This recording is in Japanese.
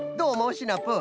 シナプー。